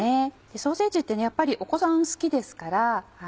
ソーセージってやっぱりお子さん好きですから。